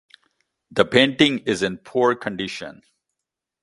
The painting is in poor condition.